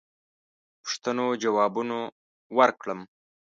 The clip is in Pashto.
پوښتنو جوابونه ورکړم.